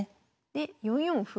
で４四歩。